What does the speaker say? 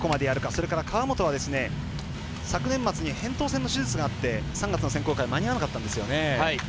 それから川本は昨年末にへんとう腺の手術があって３月の選考会間に合わなかったんですね。